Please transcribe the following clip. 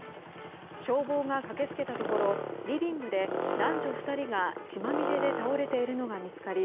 消防が駆け付けたところリビングで男女２人が血まみれで倒れているのが見つかり